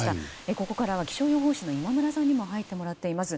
ここからは気象予報士の今村さんにも入ってもらっています。